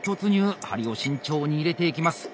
針を慎重に入れていきます。